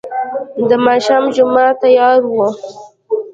د ماښام جماعت تيار و.